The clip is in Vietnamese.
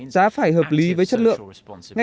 giá phải hợp lý với chất lượng